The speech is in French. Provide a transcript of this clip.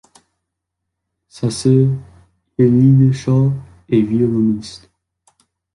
Sa sœur, Eilidh Shaw, est violoniste.